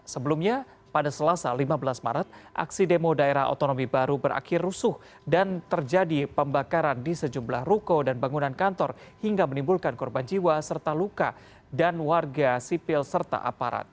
sebelumnya pada selasa lima belas maret aksi demo daerah otonomi baru berakhir rusuh dan terjadi pembakaran di sejumlah ruko dan bangunan kantor hingga menimbulkan korban jiwa serta luka dan warga sipil serta aparat